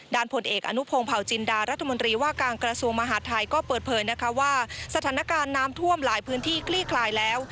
ผลเอกอนุพงศ์เผาจินดารัฐมนตรีว่าการกระทรวงมหาดไทยก็เปิดเผยนะคะว่าสถานการณ์น้ำท่วมหลายพื้นที่คลี่คลายแล้ว